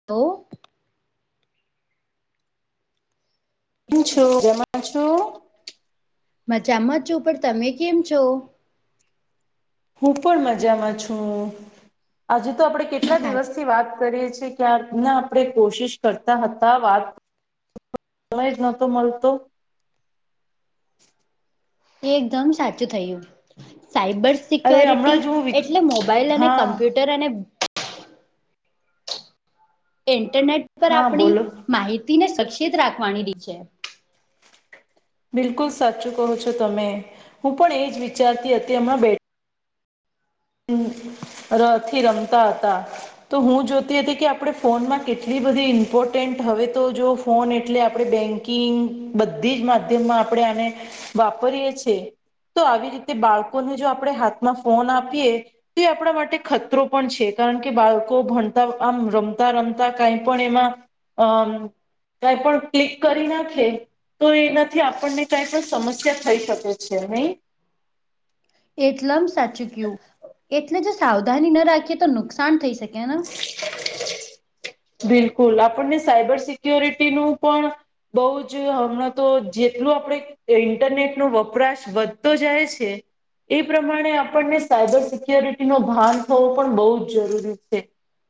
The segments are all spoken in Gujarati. [unintelligible] કેમ છો મજામાં છો મજામાં છું પણ તમે કેમ છો? હું પણ મજામાં છું આજે તો આપણેે કેટલા હા દિવસ થી વાત કરીએ છીએ. ક્યાર ના આપણે કોશિશ કરતા હતા વાત સમય જ નતો મળતો. એ એકદમ સાચું થયું સાયબર અરે સિક્યોરિટી હમણાં જ હું વિ એટલે મોબાઈલ અને હા કમ્પ્યુટર અને ઇન્ટરનેટ પર હા આપણી બોલો માહિતીને સક્ષેિત રાખવાની [unintelligible] છે. બિલકુલ સાચું કહો છો તમે હું પણ એ જ વિચારતી હતી અમણાં બે ર થી રમતા હતા. તો હું જોતી હતી કે આપણે ફોનમાં કેટલી બધી ઇમ્પોર્ટન્ટ હવે તો જો ફોન એટલે આપણે બેંક બધી જ માધ્યમમાં આપણે આને વાપરીએ છીએ તો આવી રીતે બાળકોને જો આપણે હાથમાં ફોન આપીએ તે આપણા માટે ખતરો પણ છે કારણ કે બાળકો ભણતા આમ રમતા રમતા કઈ પણ એમાં અમ કઈ પણ ક્લિક કરી નાખે તો એનાથી આપણને કઈ પણ સમસ્યા થઈ શકે છે નય એટલમ સાચું ગયું એટલે જો સાવધાની ન રાખીએ તો નુકસાન થઈ શકેન. બિલકુલ આપણને સાયબર સિક્યોરિટી નું પણ બઉ જ હમણાં તો જેટલું આપણે ઇન્ટરનેટ નો વપરાશ વધતો જાય છે. એ પ્રમાણે આપણને સાયબર સિક્યોરિટી નું ભાન થવો પણ બહુ જ જરૂરી છે.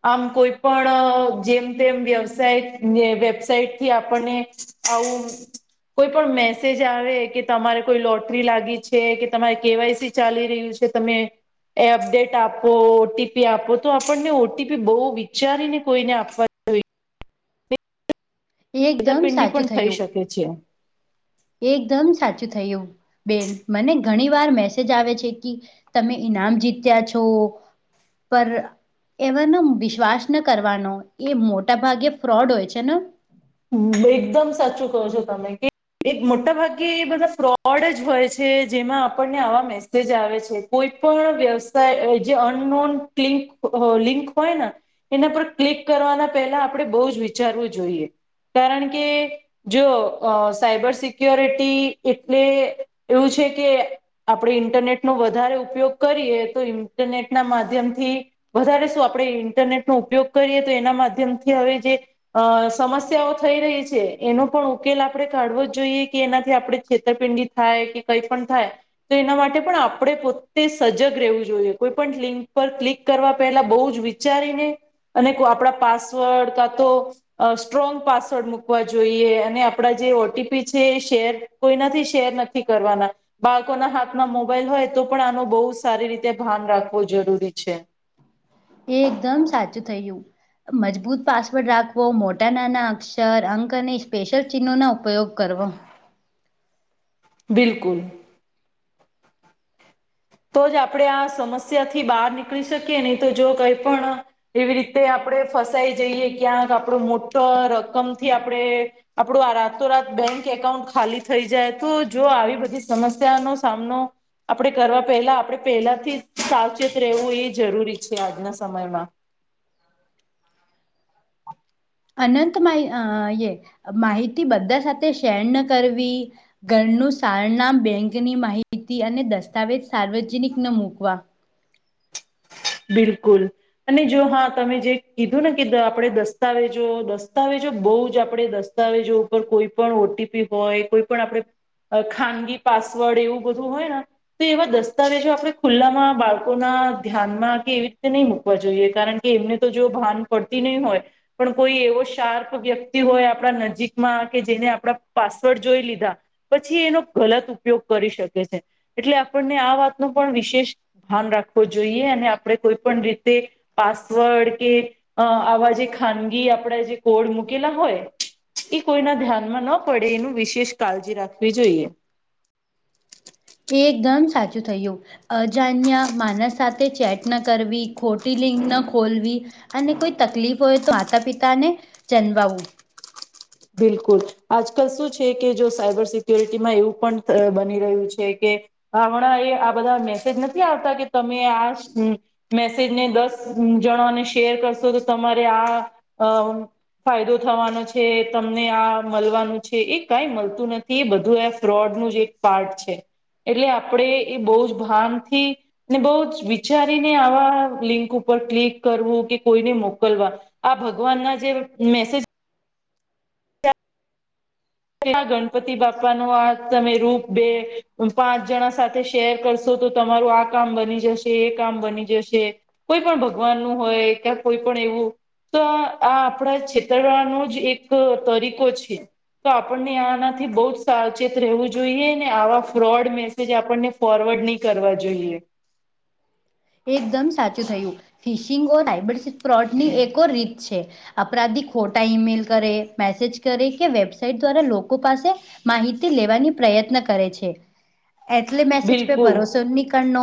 આમ કોઈ પણ જેમ તેમ વેબસાઇટ વેબસાાઈટથી આપણને આવું કોઈ પણ મેસેજ આવે કે તમારે કોઈ લોટરી લાગી છે કે તમારે કેવાયસી ચાલી રહ્યું છે તમે એ અપડેટ આપો ઓટીપી આપો તો આપણને ઓટીપી બહુ વિચારીને કોઈને આપવુ [unintelligible] એકદમ છેતરપિંડી સાચું પણ થઈ થયું શકે છે. એકદમ સાચું થયું. બેન મને ઘણી વાર મેસેજ આવે છે કે તમે ઈનામ જીત્યા છો પર એવાનો વિશ્વાસ ન કરવાનો એ મોટા ભાગે ફ્રોડ હોય છે ને એકદમ સાચું કહો છો તમે કે એક મોટા ભાગે એ બધા ફ્રોડ જ હોય છે જેમાં આપણને આવા મેસેજ આવે છે કોઈ પણ વ્યવસાય જે અનનોન લિંક હોય ને એના પર ક્લિક કરવાના પહેલા આપણે બહુ જ વિચારવું જોઈએ કારણ કે જો સાયબર સિક્યોરિટી એટલે એવું છે કે આપણે ઇન્ટરનેટનો વધારે ઉપયોગ કરીએ તો ઇન્ટરનેટના માધ્યમથી વધારે શું આપણે ઇન્ટરનેટનો ઉપયોગ કરીએ તો એના માધ્યમથી હવે જે અ સમસ્યાઓ થઈ રહી છે એનો પણ ઉકેલ આપણે કાઢવો જ જોઈએ કે એનાથી આપણે છેતરપિંડી થાય કે કઈ પણ થાય તો એના માટે પણ આપણે પોતે સજગ રહેવું જોઈએ કોઈ પણ લિંક પર ક્લિક કરવા પહેલા બહુ જ વિચારીને અને આપણા પાસવર્ડ કા તો સ્ટ્રોંગ પાસ વર્ડ મુકવા જોઈએ અને આપડા જે ઓટીપી છે શેર કોઈનાથી શેર નથી કરવાના બાળકોના હાથમાં મોબાઈલ હોય તો પણ આનું બહુ સારી રીતે ભાન રાખવું જરૂરી છે. એ એકદમ સાચું થયું મજબૂત પાસવર્ડ રાખવો મોટા નાના અક્ષર અંક અને સ્પેશલ ચિહ્નોના ઉપયોગ કરવો. બિલકુલ તો જ આપણેે આ સમસ્યા થી, બહાર નીકળી શકીએ નહી તો જો કંઈપણ એવી રીતે આપણે ફસાઈ જઈએ ક્યાંક આપડો મોટો રકમથી આપણે આપડું આ રાતોરાત બેંક એકાઉન્ટ ખાલી થઈ જાય તો જો, આવી બધી સમસ્યાનો સામનો આપણે કરવા પહેલા આપણે પહેલાથી સાવચેત રહેવું એ જરૂરી છે, આજના સમયમાં અનંત મા એ માહિતી બધા સાથે શેર ન કરવી ઘરનું સારનામ બેંકની માહિતી અને, દસ્તાવેજ સાર્વજનિક ન મૂકવા બિલકુલ અને જો હા તમે જે કીધું ને કે, આપણેે દસ્તાવેજો દસ્તાવેજો બહુ જ આપણે. દસ્તાવેજો ઉપર કોઈ પણ, ઓટીપી હોય કોઈ પણ આપણે ખાનગી પાસવર્ડ એવું બધું હોય ને તો એવા દસ્તાવેજો આપણે, ખુલ્લામાં બાળકોના ધ્યાન એ કે એવી રીતે નહી મુકવા જોઈએ કારણ કે, એમને તો જો ભાન પડતી નહી હોય. પણ કોઈ એવો શાર્પ વ્યક્તિ હોય આપણા નજીકમાં કે, જેને આપણા પાસવર્ડ જોઈ લીધા પછી એનો ગલત ઉપયોગ કરી શકે છે. એટલે આપણને આ વાતનો પણ વિશેષ ભાન રાખવો જોઈએ, અને આપણે કોઈ પણ રીતે પાસવર્ડ કે આવા જે, ખાનગી આપણે જે કોડ મૂકેલા હોય. એ કોઈના ધ્યાનમાં ન પડે એનું વિશેષ કાળજી રાખવી જોઈએ. એ એકદમ સાચું થયું અજાણ્યા માણસ સાથે ચેટ, ન કરવી ખોટી લિંક ન ખોલવી અને કોઈ તકલીફ હોય તો માતા પિતા ને ચન્માવું બિલકુલ આજકાલ શું છે કે જો, સાયબર સિક્યોરિટીમાં એવું પણ બની રહ્યું છે કે હમણાં એ આ બધા મેસેજ નથી આવતા કે તમે આજ મેસેજ ને દસ જણાને શેર કરશો તો તમારે આ ફાયદો થવાનો છે. તમને આ મળવાનું છે, એ કઈ મળતું નથી એ બધું એ ફ્રોડ નું જ એક પાર્ટ છે. એટલે આપડે એ બહુ જ ભાનથી ને બહુ જ વિચારીને આવા લિંક ઉપર ક્લિક કરવું કે કોઈને મોકલવા આ ભગવાન ના જે મેસેજ ગણપતિ બાપા નું, આ તમે રૂપ બે પાંચ જણા સાથે શેર કરશો તો તમારું, આ કામ બની જશે એ કામ બની જશે. કોઈ પણ ભગવાન નું હોય કે્યા કોઈ પણ એવું. તો આ આપણા છેતરવાનો જ એક તરીકો છે. તો આપણને આનાથી, બૌ જ સાવચેત રહેવું જોઈએ ને આવા ફ્રોડ મે કે જે આપણને ફોરવર્ડ નહી કરવા જોઈએ. એકદમ સાચું થયું ફિશિંગ ઓ રાયબ સ્પ્રોટની એક રીત છે. અપરાધી ખોટા ઈમેલ કરે મેસેજ કરે કે વેબસાાઈટ દ્વારા લોકો પાસે માહિતી લેવાની પ્રયત્ન કરે છે. એટલે મેસેજ પે બિલકુલ ભરોસો નીકળનો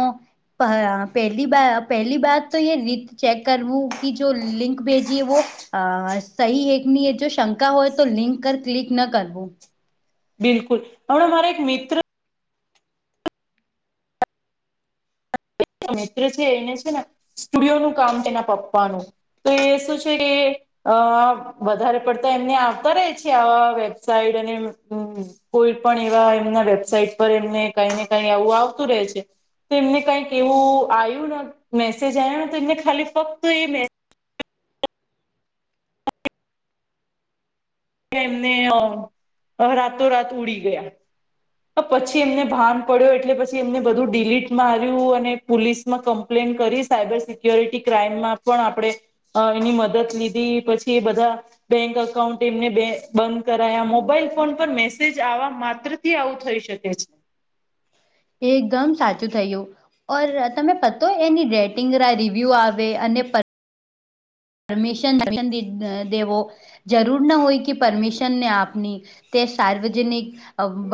પહેલી બા પહેલી બત તો એ રીત ચેક કરવું કે જો લિંક ભેજીએ વ અ સહી એકની એ જો શંકા હોય તો લિંક કર ક્લિક ન કરવું. બિલકુલ હમણાં મારે એક મિત્ર મિત્ર છે એને છે ને સ્ટુડિયો નું કામ તેના પપ્પાનું એ શું છે. અ વધારે પડતા એમને આવતા રે છે. આવા વેબસાઇટ અને હ કોઈ પણ એવા એમના વેબસાાઈટ પર એમને કઈ ને કઈ આવું આવતું રહેે છે. તો એમને કઈક એવું આવ્યુંને મેસેજ આવને તો એને ખાલી ફક્ત એ મે કે એમને રાતોરાત ઉડી ગયા. પછી એમને ભાન પડ્યો એટલે પછી એમને બધું ડીલીટ માર્યું અને પોલીસ માં કમ્પ્લેન કરી સાયબર સિક્યોરિટી ક્રાઈમમાં પણ આપણે અ એની મદદ લીધી પછી એ બધા બેંક અકાઉન્ટ તેમને બે બંધ કરાયા મોબાઈલ ફોન પર મેસેજ આવા માત્રથી આવું થઈ શકે એગમ સાચું થયું ઓર તમે પતો એની ડેટિંગ રિવ્યુ આવે અને પ પરમિશનન [unintelligible] દેવો જરૂર ના હોય કે પરમિશનને આપની તે સાર્વજનિક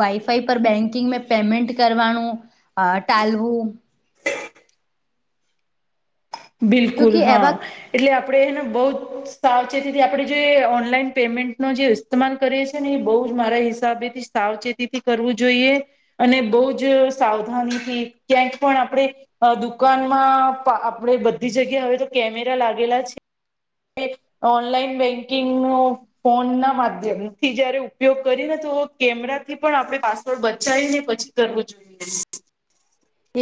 વાઈફાઈ પર બેન્કિંગ પેમેન્ટ કરવાનું અ ટાલવું બિલકુલ ક્યુંકી એવા હ. એટલે આપણેને બો જ સાવચેતીથી આપણે જો ઓનલાઈન પેમેન્ટનો જે સ્માટમાલ કરીએ છે ને એ બો જ મારા હિસાબેથી સાવચેતી થી કરવું જોઈએ અને બો જ સાવધાનીથી ક્યાંક પણ આપણે અ દુકાનમાં આપણે બધી જગ્યા હવે તો કેમેરા લાગેલા છે. ઓનલાઈન બેંકિંગનું ફોનના માધ્યમ થી જયારે ઉપયોગ કરીને તો કેમેરા થી પણ આપડે પાસ તો બચાવી ને પછી કરવું જોઈએ.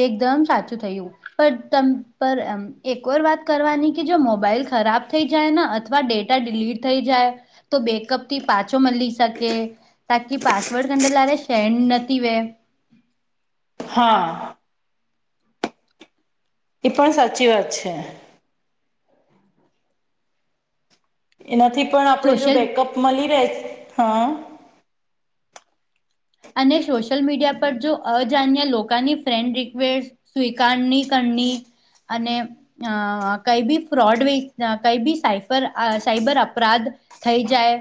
એકદમ સાચું થયું પ તમ પર એમ એકવાર વાત કરવાની કે જો મોબાઈલ ખરાબ થઈ જાય ન અથવા ડે ટા લીટ થઈ જાય તો બેકઅપ તી પાછો મલી શકે તાકી પાસવર્ડ [unintelligible] સેન્ડ નતી વે હા. એ પણ સાચી વાત છે. એનાથી પણ આપણે જો સોશિયલ બેકઅપ મલી રેય હ અને સોશિયલ મીડિયા પર જો અજાન્ય લોકાની ફ્રેન્ડ રિકવેસ્ટ સ્વીકારની કરની અને અ કઈ ભી ફ્રોડ વે કઈ ભી સાઇફર સાઈબર અપરાધ થઈ જાય.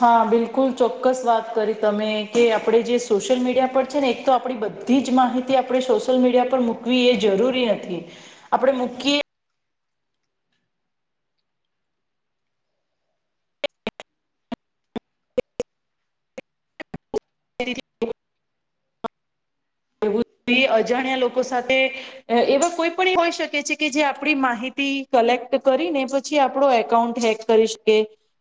હા બિલકુલ ચોક્કસ વાત કરી તમે કે આપણે જે સોશિયલ મીડિયા પર છે, ને એક તો આપણી બ ધી જ માહિતી આપણે સોશિયલ મીડિયા પર મૂકવી એ જરૂરી નથી આપડે મૂકીએ [inaudible] એવું એ અજાણ્યા લોકો સાથે એવા કોઈ પણ હોઈ શકે છે, કે જે આપણી માહિતી કલેક્ટ કરી ને પછી આપડો એકાઉન્ટ હેક કરી શકે.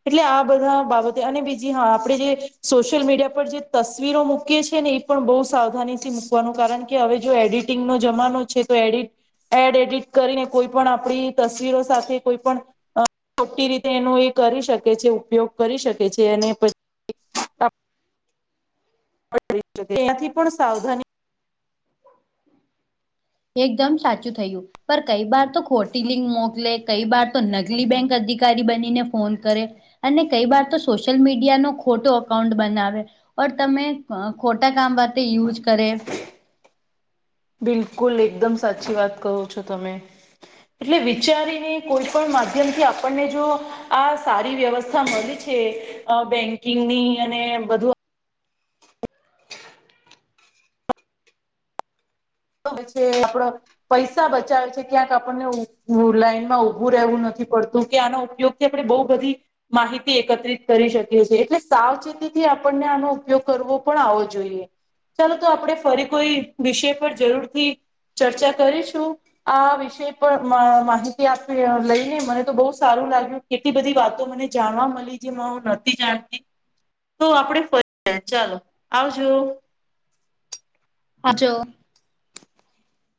એટલે આ બધા બાબતે અને બીજી હા આપણે જે સોશિયલ મીડિયા પર જે તસવીરો મૂકીએ છે, ને પણ બો સાવધાનીથી મૂકવાનું કારણ કે હવે જો એડિટિંગ નો જમાનો છે, તો એડિ એડ એડિટ કરીને કોઈ પણ આપડી તસ્વીરો સાથે કોઈ પણ અ ખોટી રીતે એનો એ કરી શકે છે, ઉપયોગ કરી શકે છે, અને પ [unintelligible] ત્યાંથી પણ સાવધાની એકદમ સાચું થયું પર કઈ બાર તો ખોટી લિંક મોકલે કઈ બાર તો નકલી બેંક અધિકારી બનીને ફોન કરે અને કઈ બાર તો સોશિયલ મીડિયાનો ખોટો એકાઉન્ટ બનાવે ઓર તમે અ ખોટા કામ માટે યુઝ કરે બિલકુલ એકદમ સાચી વાત કહો છો તમે એટલે વિચારીને કોઈ પણ માધ્યમથી આપણને જો આ સારી વ્યવસ્થા મલી છે, અ બેંકિંગની અને બધું તો પછી આપડો પૈસા બચાવે છે, ક્યાંક આપણને ઉ ભું લાઈનમાં ઉભું રહેવું નથી પડતું કે આનો ઉપયોગ તે આપણે બો બધી માહિતી એકત્રિત કરી શકીએ છીએ એટલે સાવચેતીથી આપણને આનો ઉપયોગ કરવો પણ આવો જોઈએ. ચાલો તો આપણે ફરી કોઈ વિષય પર જરૂરથી ચર્ચા કરીશું આ વિષય પર મ માહિતી આપી લઈને મને તો બો સારું લાગ્યું કેટલી બધી વાતો મને જાણવા મલી જે હું નતી જાણતી તો આપડે ફરી [unintelligible] ચાલો આવજો. આવજો